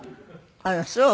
あらそう。